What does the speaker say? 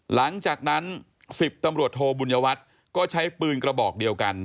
หลังจากนั้น๑๐ตำรวจโทบุญวัฒน์ก็ใช้ปืนกระบอกเดียวกัน